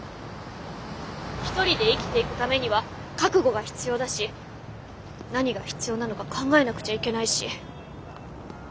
一人で生きていくためには覚悟が必要だし何が必要なのか考えなくちゃいけないし。